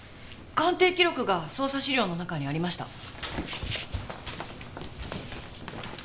鑑定記録が捜査資料の中にありました。